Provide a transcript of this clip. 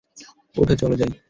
উঠ, চল যাই।